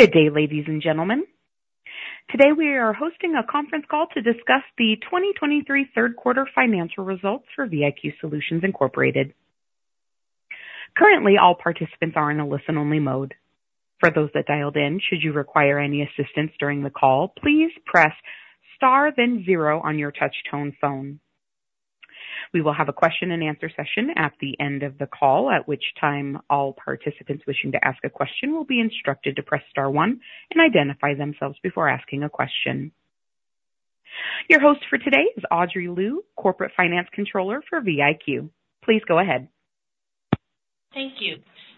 Good day, ladies and gentlemen. Today, we are hosting a conference call to discuss the 2023 third quarter financial results for VIQ Solutions Incorporated. Currently, all participants are in a listen-only mode. For those that dialed in, should you require any assistance during the call, please press Star, then zero on your touch-tone phone. We will have a question-and-answer session at the end of the call, at which time all participants wishing to ask a question will be instructed to press Star one and identify themselves before asking a question. Your host for today is Audrey Liu, Corporate Finance Controller for VIQ. Please go ahead. Thank you.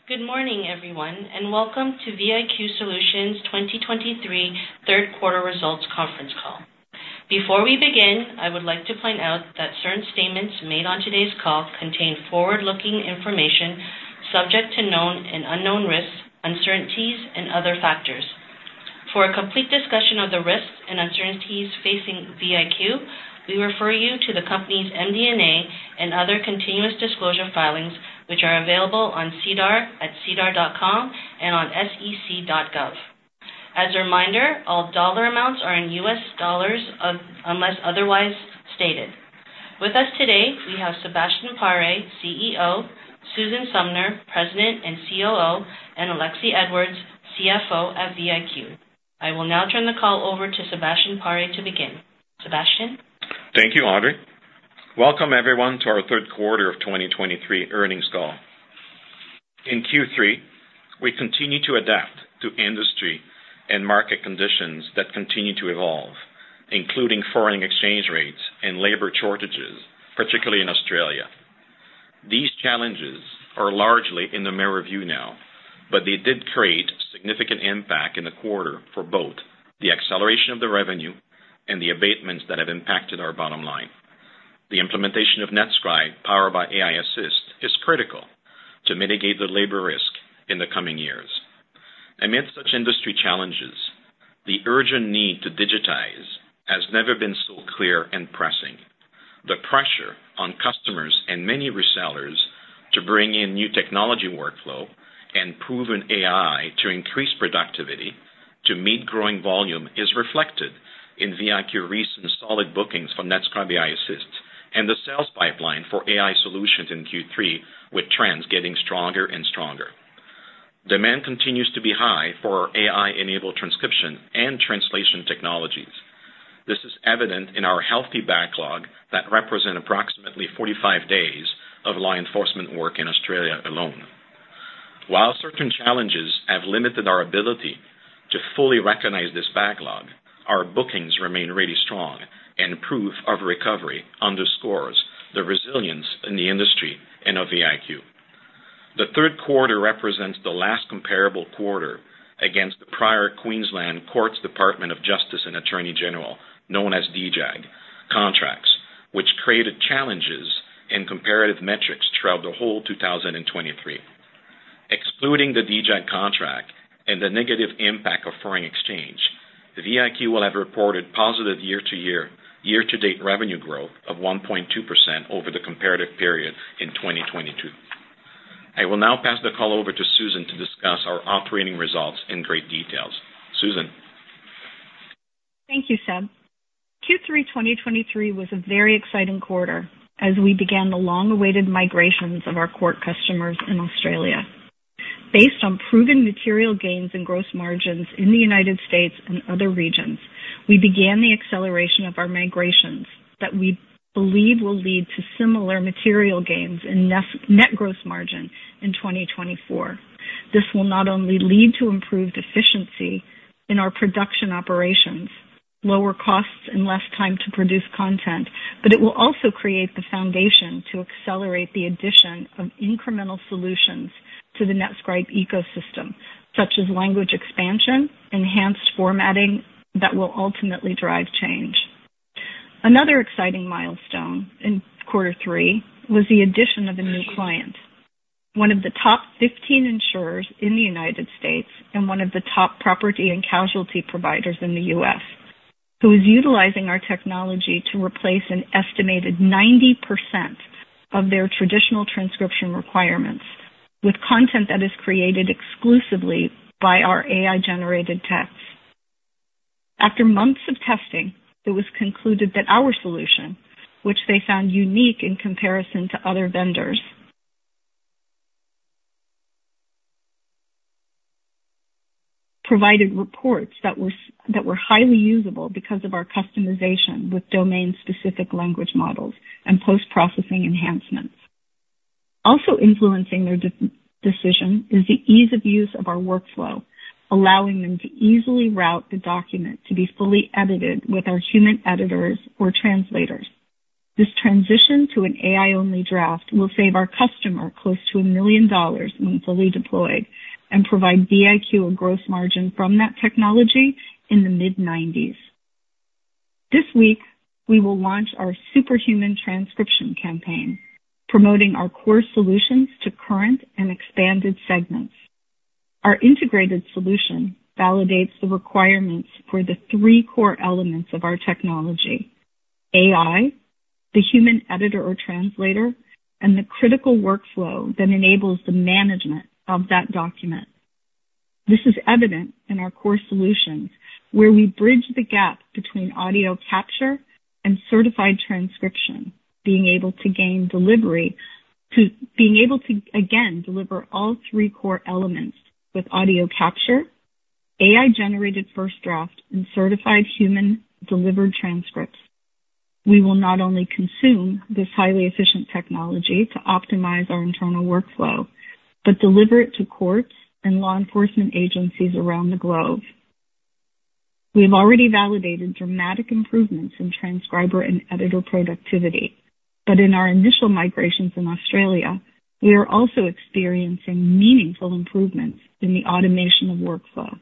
Good morning, everyone, and welcome to VIQ Solutions' 2023 third quarter results conference call. Before we begin, I would like to point out that certain statements made on today's call contain forward-looking information subject to known and unknown risks, uncertainties, and other factors. For a complete discussion of the risks and uncertainties facing VIQ, we refer you to the company's MD&A and other continuous disclosure filings, which are available on SEDAR at sedar.com and on sec.gov. As a reminder, all dollar amounts are in US dollars, unless otherwise stated. With us today, we have Sébastien Paré, CEO, Susan Sumner, President and COO, and Alexie Edwards, CFO at VIQ. I will now turn the call over to Sébastien Paré to begin. Sébastien? Thank you, Audrey. Welcome everyone, to our third quarter of 2023 earnings call. In Q3, we continue to adapt to industry and market conditions that continue to evolve, including foreign exchange rates and labor shortages, particularly in Australia. These challenges are largely in the rearview now, but they did create significant impact in the quarter for both the acceleration of the revenue and the abatements that have impacted our bottom line. The implementation of NetScribe, powered by aiAssist, is critical to mitigate the labor risk in the coming years. Amidst such industry challenges, the urgent need to digitize has never been so clear and pressing. The pressure on customers and many resellers to bring in new technology workflow and proven AI to increase productivity to meet growing volume is reflected in VIQ recent solid bookings from NetScribe aiAssist and the sales pipeline for AI solutions in Q3, with trends getting stronger and stronger. Demand continues to be high for our AI-enabled transcription and translation technologies. This is evident in our healthy backlog that represent approximately 45 days of law enforcement work in Australia alone. While certain challenges have limited our ability to fully recognize this backlog, our bookings remain really strong and proof of recovery underscores the resilience in the industry and of VIQ. The third quarter represents the last comparable quarter against the prior Queensland Courts Department of Justice and Attorney-General, known as DJAG contracts, which created challenges in comparative metrics throughout the whole 2023. Excluding the DJAG contract and the negative impact of foreign exchange, VIQ will have reported positive year-to-year, year-to-date revenue growth of 1.2% over the comparative period in 2022. I will now pass the call over to Susan to discuss our operating results in great details. Susan? Thank you, Seb. Q3 2023 was a very exciting quarter as we began the long-awaited migrations of our court customers in Australia. Based on proven material gains and gross margins in the United States and other regions, we began the acceleration of our migrations that we believe will lead to similar material gains in net gross margin in 2024. This will not only lead to improved efficiency in our production operations, lower costs, and less time to produce content, but it will also create the foundation to accelerate the addition of incremental solutions to the NetScribe ecosystem, such as language expansion, enhanced formatting that will ultimately drive change. Another exciting milestone in quarter three was the addition of a new client, one of the top 15 insurers in the United States and one of the top property and casualty providers in the US, who is utilizing our technology to replace an estimated 90% of their traditional transcription requirements with content that is created exclusively by our AI-generated text. After months of testing, it was concluded that our solution, which they found unique in comparison to other vendors, provided reports that were highly usable because of our customization with domain-specific language models and post-processing enhancements. Also influencing their decision is the ease of use of our workflow, allowing them to easily route the document to be fully edited with our human editors or translators. This transition to an AI-only draft will save our customer close to $1 million when fully deployed and provide VIQ a gross margin from that technology in the mid-90s%. This week, we will launch our Superhuman transcription campaign, promoting our core solutions to current and expanded segments. Our integrated solution validates the requirements for the three core elements of our technology: AI, the human editor or translator, and the critical workflow that enables the management of that document. This is evident in our core solutions, where we bridge the gap between audio capture and certified transcription, being able to, again, deliver all three core elements with audio capture, AI-generated first draft, and certified human-delivered transcripts. We will not only consume this highly efficient technology to optimize our internal workflow, but deliver it to courts and law enforcement agencies around the globe. We have already validated dramatic improvements in transcriber and editor productivity, but in our initial migrations in Australia, we are also experiencing meaningful improvements in the automation of workflow.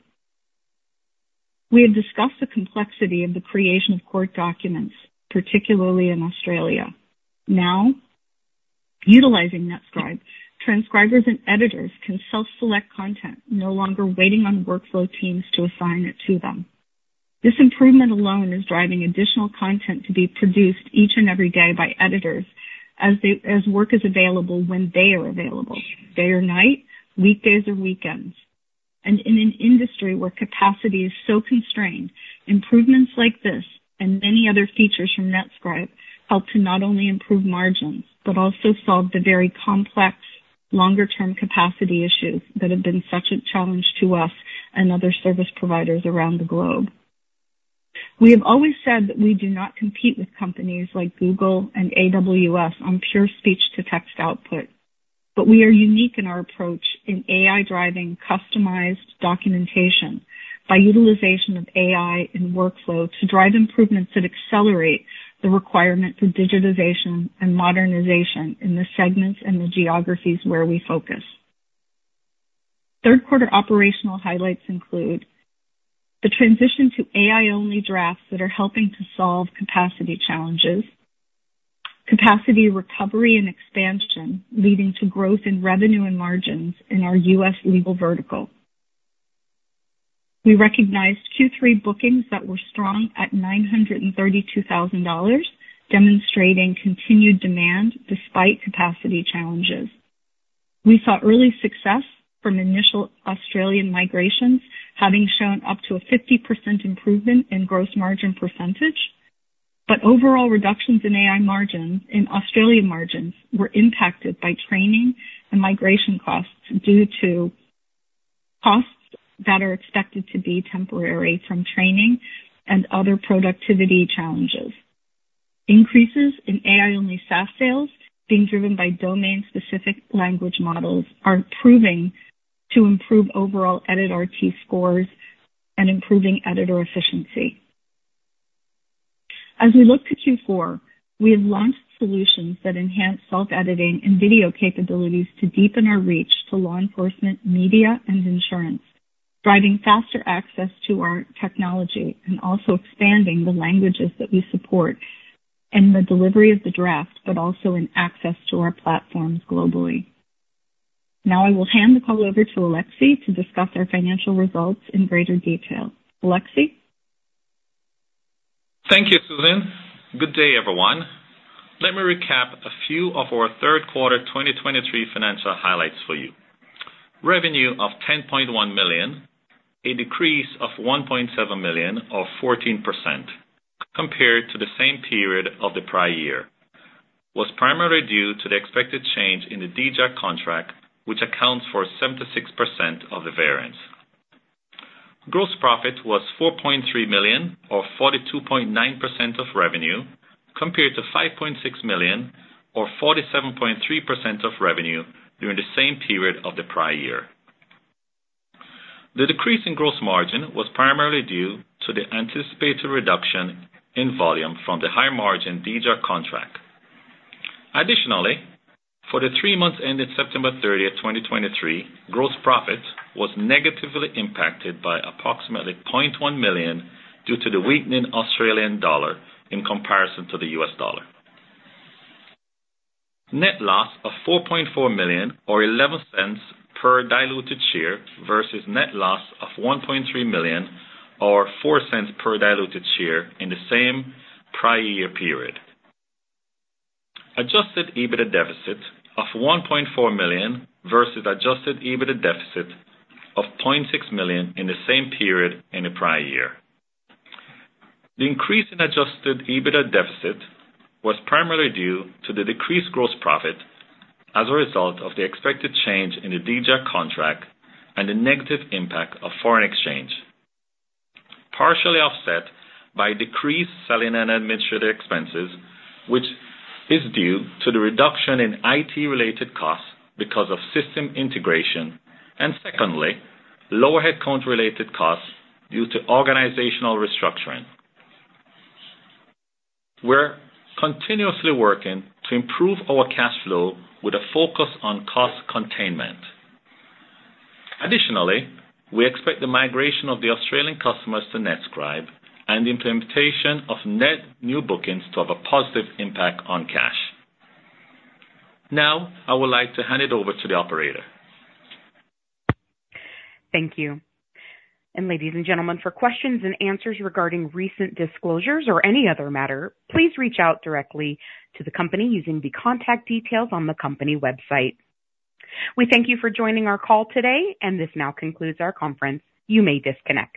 We have discussed the complexity of the creation of court documents, particularly in Australia. Now, utilizing NetScribe, transcribers and editors can self-select content, no longer waiting on workflow teams to assign it to them. This improvement alone is driving additional content to be produced each and every day by editors as they, as work is available when they are available, day or night, weekdays or weekends. And in an industry where capacity is so constrained, improvements like this and many other features from NetScribe help to not only improve margins, but also solve the very complex, longer-term capacity issues that have been such a challenge to us and other service providers around the globe. We have always said that we do not compete with companies like Google and AWS on pure speech-to-text output, but we are unique in our approach in AI-driven, customized documentation by utilization of AI and workflow to drive improvements that accelerate the requirement for digitization and modernization in the segments and the geographies where we focus. Third quarter operational highlights include the transition to AI-only drafts that are helping to solve capacity challenges, capacity recovery and expansion, leading to growth in revenue and margins in our U.S. legal vertical. We recognized Q3 bookings that were strong at $932,000, demonstrating continued demand despite capacity challenges. We saw early success from initial Australian migrations, having shown up to a 50% improvement in gross margin percentage, but overall reductions in AI margins, in Australian margins were impacted by training and migration costs due to costs that are expected to be temporary from training and other productivity challenges. Increases in AI-only SaaS sales being driven by domain-specific language models are proving to improve overall editor RT scores and improving editor efficiency. As we look to Q4, we have launched solutions that enhance self-editing and video capabilities to deepen our reach to law enforcement, media, and insurance, driving faster access to our technology and also expanding the languages that we support and the delivery of the draft, but also in access to our platforms globally. Now, I will hand the call over to Alexie to discuss our financial results in greater detail. Alexie? Thank you, Susan. Good day, everyone. Let me recap a few of our third quarter 2023 financial highlights for you. Revenue of $10.1 million, a decrease of $1.7 million, or 14%, compared to the same period of the prior year, was primarily due to the expected change in the DJAG contract, which accounts for 76% of the variance. Gross profit was $4.3 million, or 42.9% of revenue, compared to $5.6 million or 47.3% of revenue during the same period of the prior year. The decrease in gross margin was primarily due to the anticipated reduction in volume from the high-margin DJAG contract. Additionally, for the three months ended September 30, 2023, gross profit was negatively impacted by approximately $0.1 million due to the weakening Australian dollar in comparison to the US dollar. Net loss of $4.4 million, or $0.11 per diluted share, versus net loss of $1.3 million, or $0.04 per diluted share in the same prior year period. Adjusted EBITDA deficit of $1.4 million versus adjusted EBITDA deficit of $0.6 million in the same period in the prior year. The increase in Adjusted EBITDA deficit was primarily due to the decreased gross profit as a result of the expected change in the DJAG contract and the negative impact of foreign exchange, partially offset by decreased selling and administrative expenses, which is due to the reduction in IT-related costs because of system integration and secondly, lower headcount-related costs due to organizational restructuring. We're continuously working to improve our cash flow with a focus on cost containment. Additionally, we expect the migration of the Australian customers to NetScribe and the implementation of net new bookings to have a positive impact on cash. Now I would like to hand it over to the operator. Thank you. Ladies and gentlemen, for questions and answers regarding recent disclosures or any other matter, please reach out directly to the company using the contact details on the company website. We thank you for joining our call today, and this now concludes our conference. You may disconnect.